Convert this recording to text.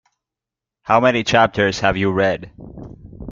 How many chapters have you read?